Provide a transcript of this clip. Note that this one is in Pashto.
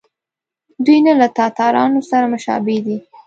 دوی نه له تاتارانو سره مشابه دي.